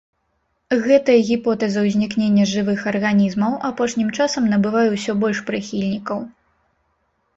Гэтая гіпотэза ўзнікнення жывых арганізмаў апошнім часам набывае ўсё больш прыхільнікаў.